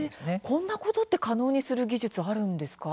こんなことって可能にする技術あるんですか？